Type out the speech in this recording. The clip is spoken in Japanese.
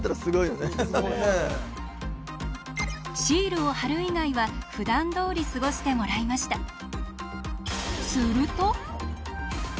シールを貼る以外はふだんどおり過ごしてもらいました。